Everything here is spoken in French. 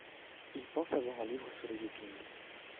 il pense avoir un livre sur les Vikings.